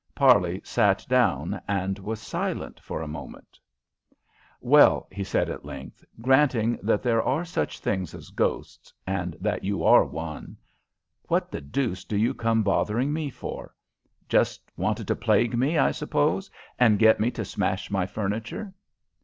Parley sat down, and was silent for a moment. [Illustration: PARLEY CONVERSING WITH THE INVISIBLE GHOST] "Well," he said at length, "granting that there are such things as ghosts, and that you are one, what the deuce do you come bothering me for? Just wanted to plague me, I suppose, and get me to smash my furniture."